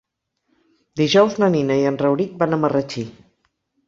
Dijous na Nina i en Rauric van a Marratxí.